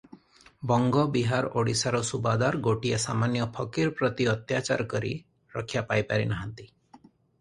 ବଙ୍ଗ, ବିହାର, ଓଡ଼ିଶାର ସୁବାଦାର ଗୋଟିଏ ସାମାନ୍ୟ ଫକୀର ପ୍ରତି ଅତ୍ୟାଚାର କରି ରକ୍ଷା ପାଇପାରି ନାହାନ୍ତି ।